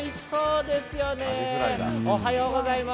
おはようございます。